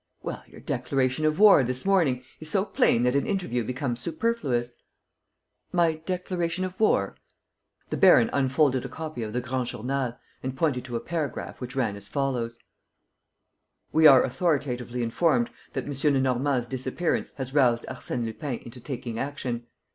"Well, your declaration of war, this morning, is so plain that an interview becomes superfluous." "My declaration of war?" The baron unfolded a copy of the Grand Journal and pointed to a paragraph which ran as follows: "We are authoritatively informed that M. Lenormand's disappearance has roused Arsène Lupin into taking action.